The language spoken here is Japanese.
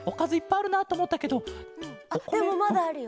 あっでもまだあるよ。